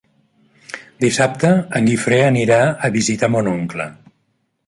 Dissabte en Guifré anirà a visitar mon oncle.